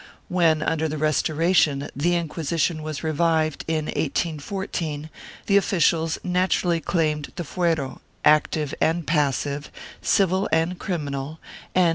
3 When, under the Restoration, the Inquisition was revived, in 1814, the officials naturally claimed the f uero, active and passive, civil and criminal, 1 Portocarrero, op.